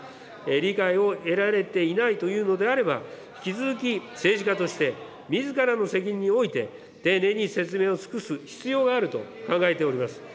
理解を得られていないというのであれば、引き続き政治家として、みずからの責任において、丁寧に説明を尽くす必要があると考えております。